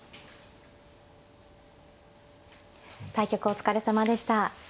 対局お疲れさまでした。